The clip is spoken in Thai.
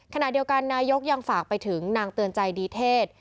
ขณะเดียวกันนายกยังฝากไปถึงนางเตือนใจดีเทศ